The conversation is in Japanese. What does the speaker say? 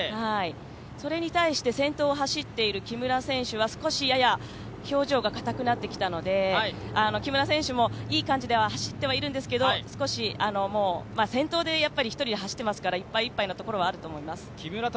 それに対して先頭を走っている木村選手は表情がやや硬くなってきたので木村選手もいい感じで走ってはいるんですけど、先頭で１人で走っていますからいっぱいいっぱいなところはあると思います。